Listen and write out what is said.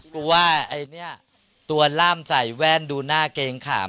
ว่าไอ้เนี่ยตัวล่ามใส่แว่นดูหน้าเกงขาม